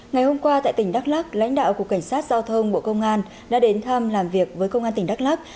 ngày hôm qua tại tỉnh đắk lắc lãnh đạo cục cảnh sát giao thông bộ công an đã đến thăm làm việc với công an tỉnh đắk lắc